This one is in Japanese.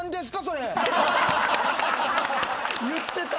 言ってた！